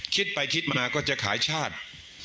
คิดไปคิดมาก็จะขายชาติ